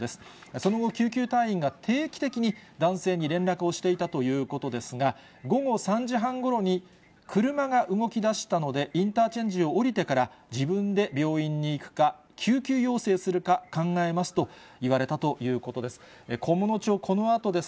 その後、救急隊員が定期的に男性に連絡をしていたということですが、午後３時半ごろに、車が動きだしたのでインターチェンジを降りてから自分で病院に行くか、救急要請するか考えますと言われたということです。